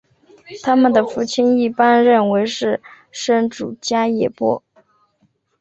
他们的父亲一般认为是生主迦叶波。